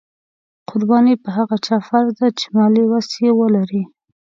قرباني په هغه چا فرض ده چې مالي وس یې ولري.